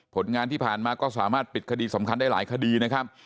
ผลงานที่ผ่านมาก็สามารถปิดคดีสำคัญได้หลายคดีนะครับ